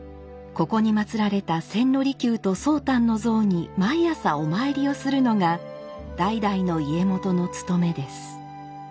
ここにまつられた千利休と宗旦の像に毎朝お参りをするのが代々の家元のつとめです。